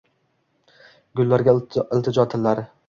Gullarning iltijo tillari